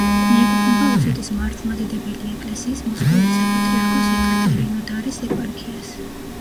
მიეკუთვნება რუსეთის მართლმადიდებელი ეკლესიის მოსკოვის საპატრიარქოს ეკატერინოდარის ეპარქიას.